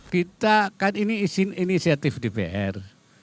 kita kan ini izin inisiatif dpr